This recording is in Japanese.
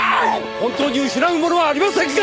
本当に失うものはありませんか！